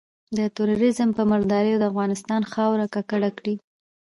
د ترورېزم په مرداریو د افغانستان خاوره ککړه کړي.